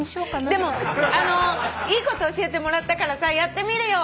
でもあのいいこと教えてもらったからさやってみるよ！